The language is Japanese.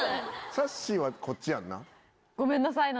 さっしーはこっちやんな？